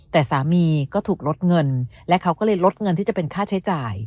แต่สามีก็ถูกลดเงินและเขาก็เลยลดเงินที่จะเป็นค่าใช้จ่าย